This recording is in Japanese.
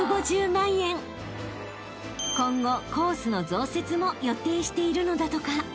［今後コースの増設も予定しているのだとか］